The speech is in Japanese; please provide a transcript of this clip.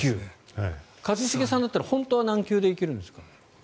一茂さんだったら本当は何球で行けるんですか？